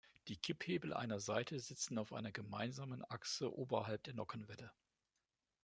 Die Kipphebel einer Seite sitzen auf einer gemeinsamen Achse oberhalb der Nockenwelle.